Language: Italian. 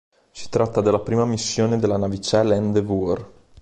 Si tratta dalle prima missione della navicella Endeavour.